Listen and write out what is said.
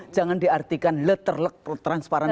jangan diartikan leterlek transparan